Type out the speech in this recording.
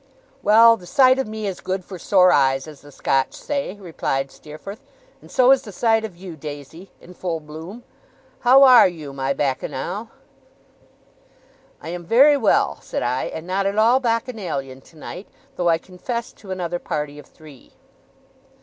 'Well, the sight of me is good for sore eyes, as the Scotch say,' replied Steerforth, 'and so is the sight of you, Daisy, in full bloom. How are you, my Bacchanal?' 'I am very well,' said I; 'and not at all Bacchanalian tonight, though I confess to another party of three.